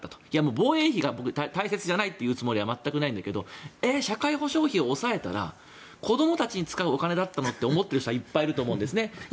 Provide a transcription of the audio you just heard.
防衛費が大切じゃないと言うつもりはないけど社会保障費を抑えたら子どもたちに使うお金なのにと思っている人はいると思うんです。